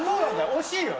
惜しいよ。